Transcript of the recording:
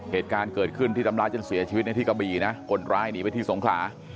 เหตุการณ์เกิดขึ้นที่ทำร้ายจนเสียชีวิตในที่กะบี่นะคนร้ายหนีไปที่สงขลา